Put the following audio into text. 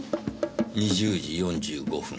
２０時４５分。